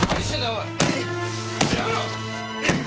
おいやめろ！